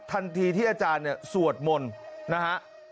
ทันทีที่อาจารย์เนี่ยสวดมนต์นะฮะ